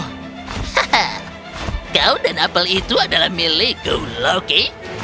hahaha kau dan apel itu adalah milikku loki